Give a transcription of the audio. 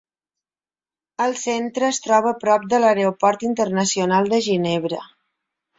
El centre es troba a prop de l'Aeroport Internacional de Ginebra.